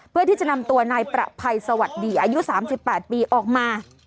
เพื่อที่จะนำตัวนายประภัยสวัสดีอายุ๓๘ปีออกมา